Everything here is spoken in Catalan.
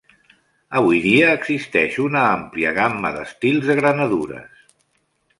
Avui dia existeix una àmplia gamma d'estils de granadures.